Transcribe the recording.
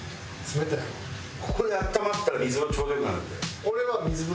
ここで温まったら水風呂がちょうど良くなるんで。